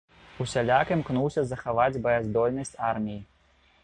Усяляк імкнуўся захаваць баяздольнасць арміі.